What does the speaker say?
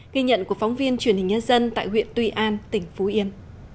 ghi nhận của phóng viên truyền hình nhân dân tại huyện tuy an tỉnh phú yên